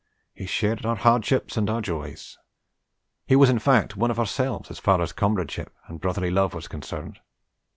He shared our hardships and our joys. He was in fact one of ourselves as far as comradeship and brotherly love was concerned.